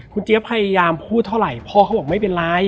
คุณเจี๊ยบพยายามพูดเท่าไหร่พ่อเขาบอกไม่เป็นไร